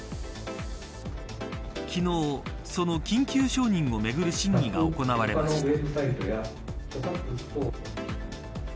昨日、その緊急承認をめぐる審議が行われました。